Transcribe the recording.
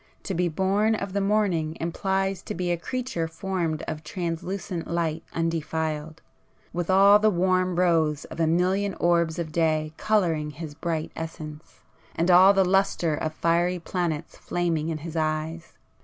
To be born of the morning implies to be a creature formed of translucent light undefiled, with all the warm rose of a million orbs of day colouring his bright essence, and all the lustre of fiery planets flaming in his eyes.